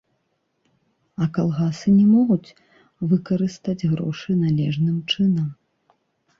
А калгасы не могуць выкарыстаць грошы належным чынам.